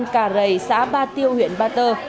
cả rầy xã ba tiêu huyện ba tơ